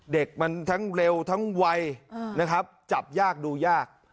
เด็กมันทั้งเร็วทั้งไวนะครับจับยากดูยาก